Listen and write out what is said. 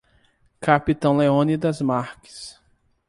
Capitão Leônidas Marques